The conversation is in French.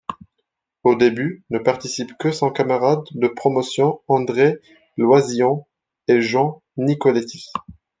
Au début, ne participent que son camarade de promotion André Loizillon et John Nicolétis.